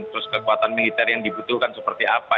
terus kekuatan militer yang dibutuhkan seperti apa